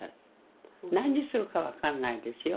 何するか分かんないですよ